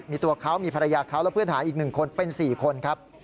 มีตัวเขามีภรรยาเขาและเพื่อนหาอีก๑คนเป็น๔คนครับ